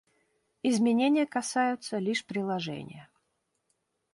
Изменения касаются лишь приложения.